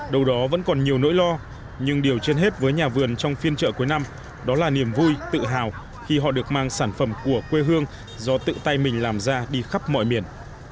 đâu đó vẫn còn nhiều nỗi lo nhưng điều trên hết với nhà vườn trong phiên chợ cuối năm đó là niềm vui tự hào khi họ được mang sản phẩm của quê hương do tự tay mình làm ra đi khắp mọi miền